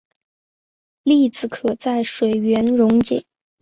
粒子可在水源溶解。